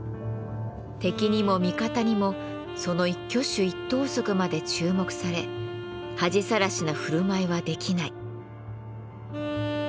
敵にも味方にもその一挙手一投足まで注目され恥さらしな振る舞いはできない。